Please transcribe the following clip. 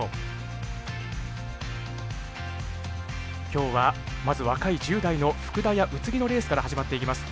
今日はまず若い１０代の福田や宇津木のレースから始まっていきます。